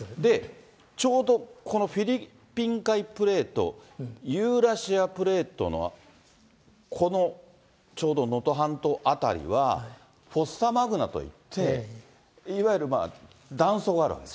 ちょうどこのフィリピン海プレート、ユーラシアプレートのこのちょうど能登半島辺りは、フォッサマグマと言って、いわゆる断層があるわけ。